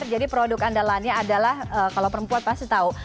jadi produk andalannya adalah kalau perempuan pasti tahu